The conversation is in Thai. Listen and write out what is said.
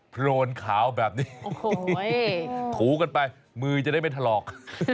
โผล่นขาวแบบนี้ถูกันไปมือจะได้ไม่ถลอก